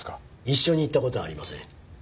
一緒に行った事はありません。